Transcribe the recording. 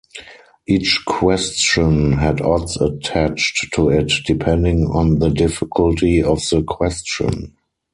Each question had odds attached to it depending on the difficulty of the question.